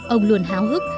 ông luôn háo hức